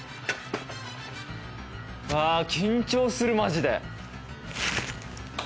緊張する、マジで。